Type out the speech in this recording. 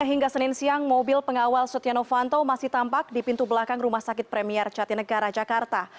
hingga senin siang mobil pengawal setia novanto masih tampak di pintu belakang rumah sakit premier jatinegara jakarta